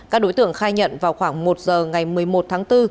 các đối tượng khai nhận vào khoảng một giờ ngày một mươi một tháng bốn